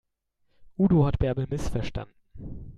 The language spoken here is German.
Udo hat Bärbel missverstanden.